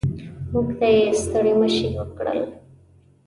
موږ ته یې ستړي مه شي وکړل.